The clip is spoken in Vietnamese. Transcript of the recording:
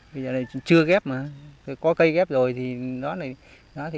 bây giờ này chưa ghép mà có cây ghép rồi thì cây kia nó sống rồi cây này ghép thì nó chết